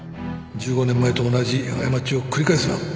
１５年前と同じ過ちを繰り返すな。